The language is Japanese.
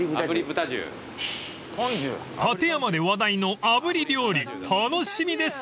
［館山で話題のあぶり料理楽しみです］